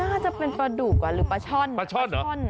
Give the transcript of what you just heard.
น่าจะเป็นปลาดุกหรอหรือปลาช้อน